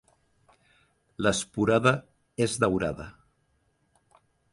L'esporada és daurada.